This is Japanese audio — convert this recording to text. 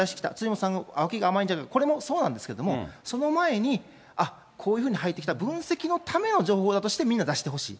辻元さん、わきが甘いんじゃないか、これもそうなんですけど、その前にあっ、こういうふうに入ってきた、分析のための情報だとしてみんな出してほしい。